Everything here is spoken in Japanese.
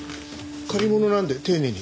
借り物なので丁寧に。